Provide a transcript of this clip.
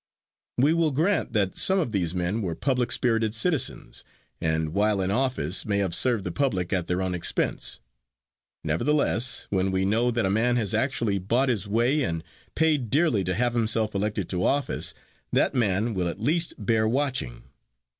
We will grant that some of these men were public spirited citizens, and while in office may have served the public at their own expense. Nevertheless, when we know that a man has actually bought his way, and paid dearly to have himself elected to office, that man will at least bear watching.